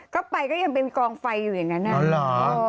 ก็ไปยังเป็นกองไฟอยู่อย่างนั้นนะน่ะครับอ๋อ